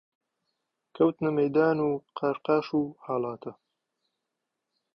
کەوتنە مەیدان و قاش قاش و هەڵاتە